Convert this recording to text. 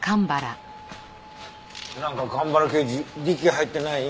なんか蒲原刑事力入ってない？